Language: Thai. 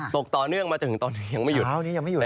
ตกต่อเนื่องมาถึงตอนนี้ยังไม่หยุด